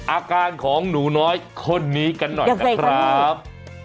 อาการของหนูน้อยคนนี้กันหน่อยนะครับ